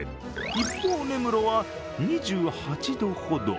一方、根室は２８度ほど。